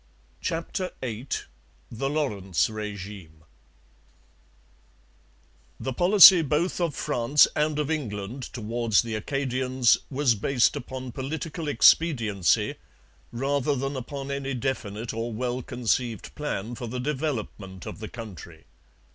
CHAPTER VIII THE LAWRENCE REGIME The policy both of France and of England towards the Acadians was based upon political expediency rather than upon any definite or well conceived plan for the development of the country.